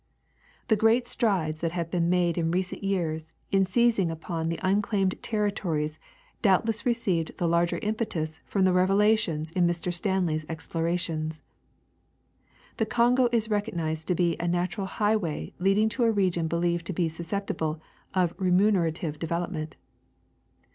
The great strides that have been made in recent years in seizing upon the unclaimed terri tories doubtless received the larger impetus from the revelations in Mr. Stanley's explorations. The Kongo is recognized to be a natural highway leading to a region believed to be susceptible of remunerative development.